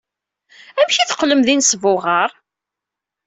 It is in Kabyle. Amek ay teqqlem d inesbuɣar?